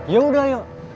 ya udah yuk